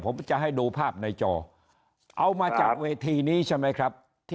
ผมจะให้ดูภาพในจอเอามาจากเวทีนี้ใช่ไหมครับ